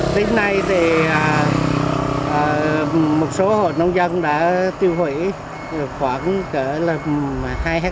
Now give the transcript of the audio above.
tới nay thì một số hồ nông dân đã tiêu hủy khoảng hai hectare